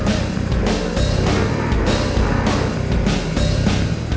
wah oke sama ivan tuh